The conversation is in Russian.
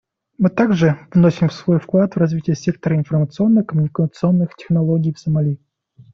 Мы также вносим свой вклад в развитие сектора информационно-коммуникационных технологий в Сомали.